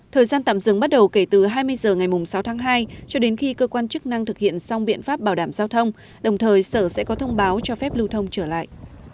thời gian tạm dừng bắt đầu kể từ hai mươi h ngày sáu tháng hai cho đến khi cơ quan chức năng thực hiện xong biện pháp bảo đảm giao thông đồng thời sở sẽ có thông báo cho phép lưu thông trở lại